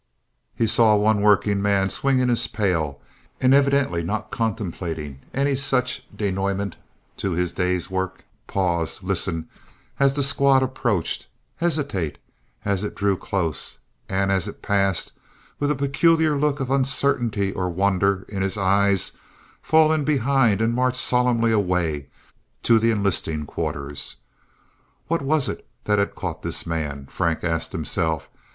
He saw one workingman swinging his pail, and evidently not contemplating any such denouement to his day's work, pause, listen as the squad approached, hesitate as it drew close, and as it passed, with a peculiar look of uncertainty or wonder in his eyes, fall in behind and march solemnly away to the enlisting quarters. What was it that had caught this man, Frank asked himself.